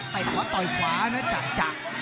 ไต่ขวาต่อยขวาจักจัก